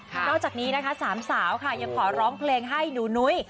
นอกจากนี้นะคะสามสาวค่ะยังขอร้องเพลงให้หนูนุ้ย